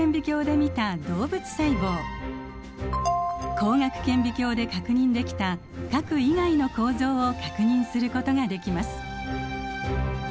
光学顕微鏡で確認できた核以外の構造を確認することができます。